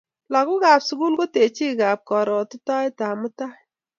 Lakokap sukul ko techikap karuotitoikap mutai